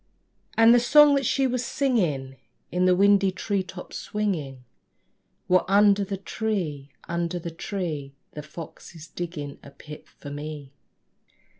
And the song that she was singing, In the windy tree tops swinging, Was under the tree, under the tree The fox is digging a pit for me.